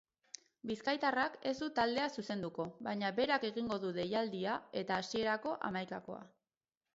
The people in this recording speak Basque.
Bizkaitarrak ez du taldea zuzenduko baina berak egingo du deialdia eta hasierako hamaikakoa.